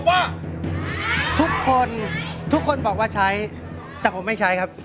ว่าทุกคนทุกคนบอกว่าใช้แต่ผมไม่ใช้ครับ